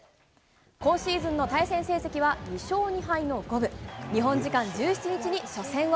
今シーズンの対戦成績は２勝２敗の五分。